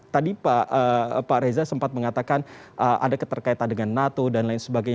tadi pak reza sempat mengatakan ada keterkaitan dengan nato dan lain sebagainya